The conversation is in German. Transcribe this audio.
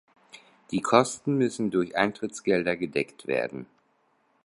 Die Kosten müssen durch Eintrittsgelder gedeckt werden.